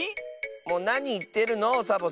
もうなにいってるのサボさん。